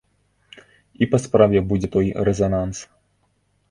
І па справе будзе той рэзананс.